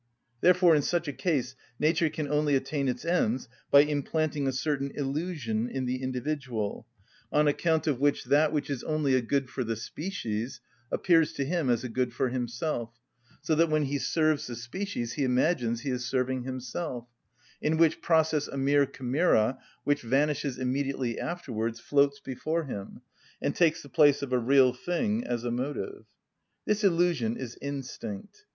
Therefore in such a case nature can only attain its ends by implanting a certain illusion in the individual, on account of which that which is only a good for the species appears to him as a good for himself, so that when he serves the species he imagines he is serving himself; in which process a mere chimera, which vanishes immediately afterwards, floats before him, and takes the place of a real thing as a motive. This illusion is instinct.